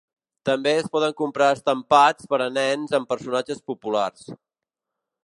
També es poden comprar estampats per a nens amb personatges populars.